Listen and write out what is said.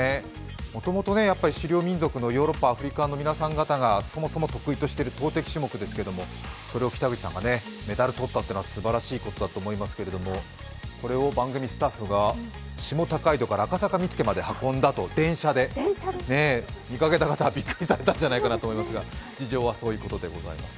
もともと狩猟民族のヨーロッパアフリカの皆さん方が得意としている投てき種目ですけれども、それを北口さんがメダル取ったというのはすばらしいことだと思いますけどこれを番組スタッフが下高井戸から赤坂見附まで電車で、見かけた方びっくりされたかと思いますが事情はそういうことでございます。